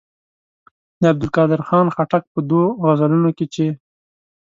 د عبدالقادر خان خټک په دوو غزلونو کې چې.